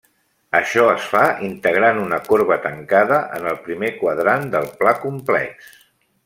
Això es fa integrant una corba tancada en el primer quadrant del pla complex.